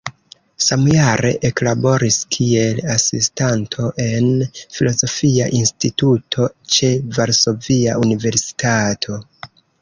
Samjare eklaboris kiel asistanto en Filozofia Instituto ĉe Varsovia Universitato.